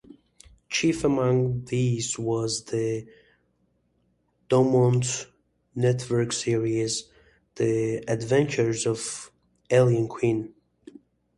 Chief among these was the Dumont Network series "The Adventures of Ellery Queen".